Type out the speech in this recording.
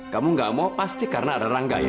kamu gak mau pasti karena ada rangga ya